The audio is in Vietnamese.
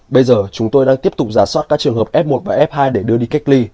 bây giờ chúng tôi đang tiếp tục giả soát các trường hợp f một và f hai để đưa đi cách ly